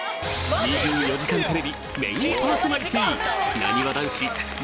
『２４時間テレビ』メインパーソナリティー